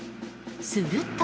すると。